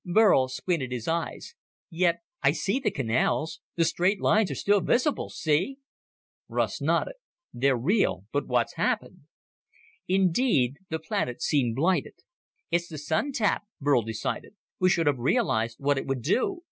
Burl squinted his eyes. "Yet I see the canals. The straight lines are still visible see?" Russ nodded. "They're real. But what's happened?" Indeed, the planet seemed blighted. "It's the Sun tap," Burl decided. "We should have realized what it would do."